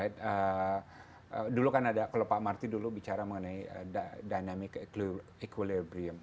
dulu kan ada kalau pak marty dulu bicara mengenai dynamic equilibrium